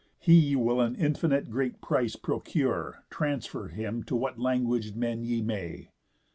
He will an infinite great price procure, Transfer him to what languag'd men ye may.